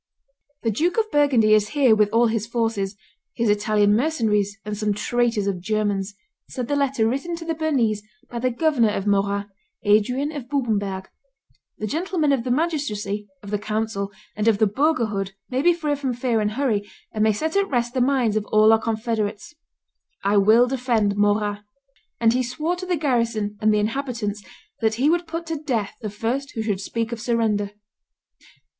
"The Duke of Burgundy is here with all his forces, his Italian mercenaries and some traitors of Germans," said the letter written to the Bernese by the governor of Morat, Adrian of Bubenberg; "the gentlemen of the magistracy, of the council, and of the burgherhood may be free from fear and hurry, and may set at rest the minds of all our confederates: I will defend Morat;" and he swore to the garrison and the inhabitants that he would put to death the first who should speak of surrender.